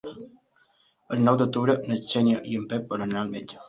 El nou d'octubre na Xènia i en Pep volen anar al metge.